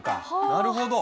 なるほど。